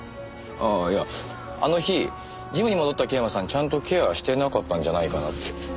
あっいやあの日ジムに戻った桂馬さんちゃんとケアしてなかったんじゃないかなって。